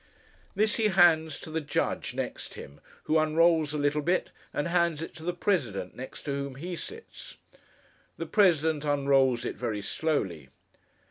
This he hands to the judge next him, who unrolls a little bit, and hands it to the President, next to whom he sits. The President unrolls it, very slowly.